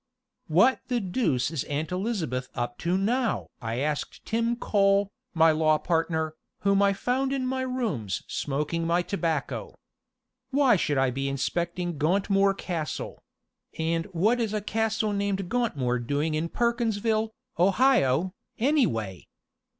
"What the deuce is Aunt Elizabeth up to now?" I asked Tim Cole, my law partner, whom I found in my rooms smoking my tobacco. "Why should I be inspecting Gauntmoor Castle and what is a castle named Gauntmoor doing in Perkinsville, Ohio, anyway?